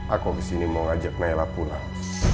aku kesini mau ngajak nayla pulang